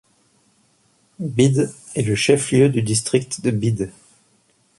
Bid est le chef lieu du District de Bid.